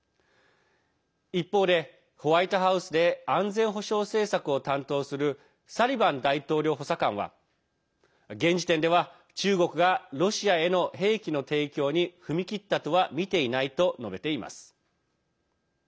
一方で、ホワイトハウスで安全保障政策を担当するサリバン大統領補佐官は現時点では中国がロシアへの兵器の提供に踏み切ったとはみていないと述べています。